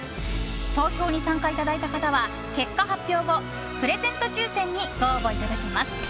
投票に参加いただいた方は結果発表後プレゼント抽選にご応募いただけます。